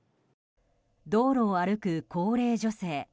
道路を歩く高齢女性。